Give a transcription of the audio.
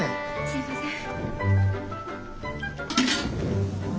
すいません。